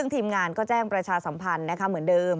ทีมงานก็แจ้งประชาสัมพันธ์เหมือนเดิม